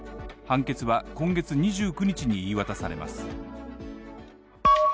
判決は今月２９日に言い渡されます。